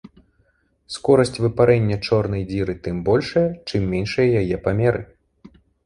Скорасць выпарэння чорнай дзіры тым большая, чым меншыя яе памеры.